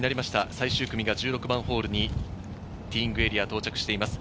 最終組が１６番ホールに、ティーイングエリアに到着しています。